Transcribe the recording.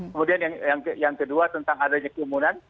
kemudian yang kedua tentang adanya kerumunan